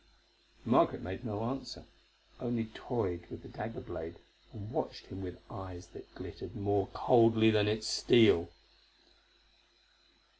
Margaret made no answer, only toyed with the dagger blade, and watched him with eyes that glittered more coldly than its steel.